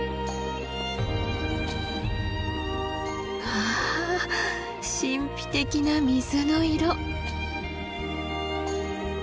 わあ神秘的な水の色。